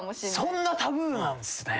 そんなタブーなんすね。